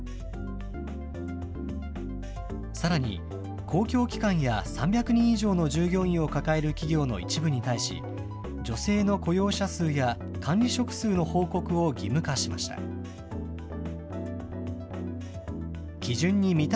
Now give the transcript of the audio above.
さらに、公共機関や３００人以上の従業員を抱える企業の一部に対し、女性の雇用者数や管理職数の報告を義務化しました。